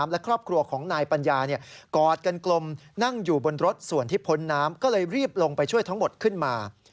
ลงไปช่วยทั้งหมดขึ้นมา